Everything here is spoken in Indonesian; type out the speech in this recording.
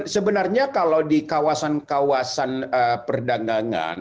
sebenarnya kalau di kawasan kawasan perdagangan